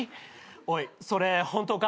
おいそれ本当か？